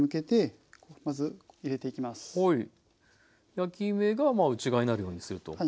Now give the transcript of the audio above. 焼き目が内側になるようにすると。